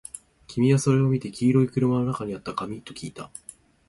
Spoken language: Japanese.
君はそれを見て、黄色い車の中にあった紙？ときいた